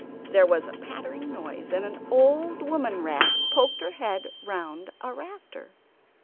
There was a pattering noise and an old woman rat poked her head round a rafter.